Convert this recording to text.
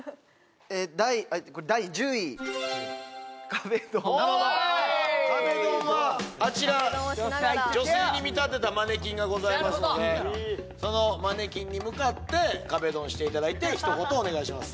これ第１０位壁ドンなるほど壁ドンはあちら女性に見立てたマネキンがございますのでそのマネキンに向かって壁ドンしていただいてひと言お願いします